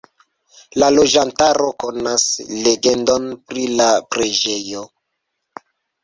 La loĝantaro konas legendon pri la preĝejo.